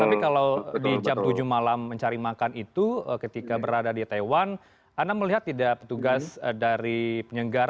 tapi kalau di jam tujuh malam mencari makan itu ketika berada di taiwan anda melihat tidak petugas dari penyenggara